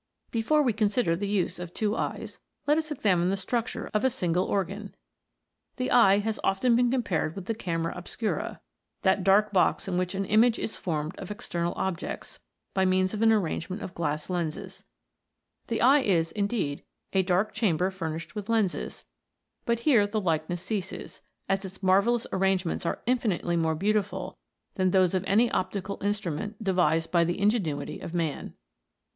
Before we consider the use of two eyes, let us examine the structure of a single organ. The eye has often been compared with the camera obscura, that dark box in which an image is formed of ex ternal objects, by means of an arrangement of glass lenses. The eye is, indeed, a dark chamber fur nished with lenses, but here the likeness ceases, as its marvellous arrangements are infinitely more beautiful than those of any optical instrument de vised by the ingenuity of man. 104 TWO EYES AKE BETTER THAN ONE.